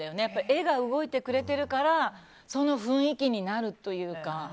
絵が動いてくれてるからその雰囲気になるというか。